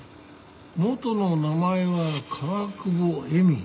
元の名前は川久保恵美。